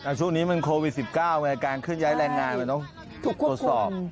อ่าช่วงนี้มันโควิดสิบเก้าไงการขึ้นย้ายแรงงานมันต้องถูกควบคุม